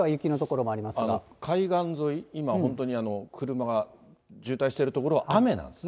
海岸沿い、今本当に車が渋滞している所は雨なんですね。